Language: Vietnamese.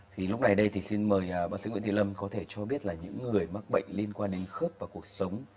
thì lúc này đây thì xin mời bác sĩ nguyễn duy lâm có thể cho biết là những người mắc bệnh liên quan đến khớp và cuộc sống